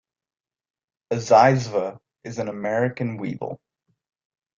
A zyzzyva is an American weevil.